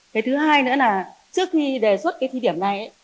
cái thứ hai nữa là trước khi đề xuất cái thí điểm này